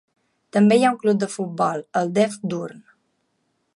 També hi ha un club de futbol, el Dev Doorn.